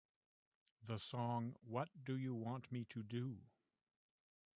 The song What Do You Want Me to Do?